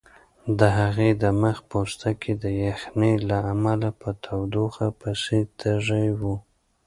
د هغې د مخ پوستکی د یخنۍ له امله په تودوخه پسې تږی و.